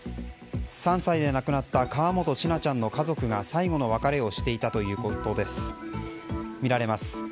３歳で亡くなった河本千奈ちゃんの家族が最後の別れをしていたとみられます。